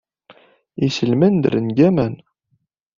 Iselman ddren deg waman.